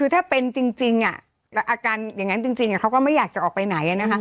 คือถ้าเป็นจริงอาการอย่างนั้นจริงเขาก็ไม่อยากจะออกไปไหน